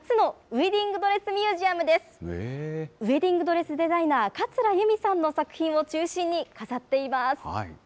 ウエディングドレスデザイナー、桂由美さんの作品を中心に飾っています。